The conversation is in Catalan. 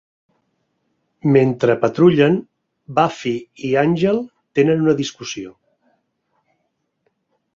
Mentre patrullen, Buffy i Angel tenen una discussió.